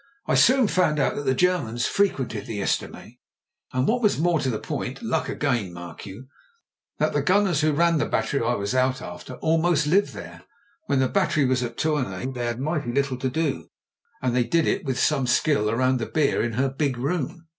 "I soon found out that the Germans frequented the estaminet; and, what was more to the point — luck again, mark you — ^that the gunners who ran the bat tery I was out after almost lived there. When the bat tery was at Tournai they had mighty little to do, and they did it, with some skill, round the beer in her big room.